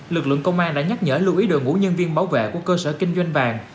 lực lượng công an đã nhắc nhở lưu ý đội ngũ nhân viên bảo vệ của cơ sở kinh doanh vàng